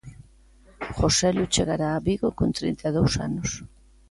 Joselu chegará a Vigo con trinta e dous anos.